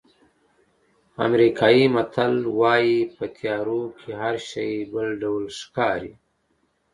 امریکایي متل وایي په تیارو کې هر شی بل ډول ښکاري.